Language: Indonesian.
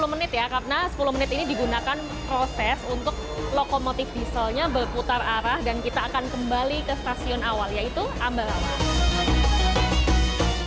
sepuluh menit ya karena sepuluh menit ini digunakan proses untuk lokomotif dieselnya berputar arah dan kita akan kembali ke stasiun awal yaitu ambalawa